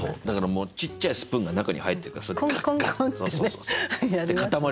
だからもうちっちゃいスプーンが中に入ってるからそれをガッガッ。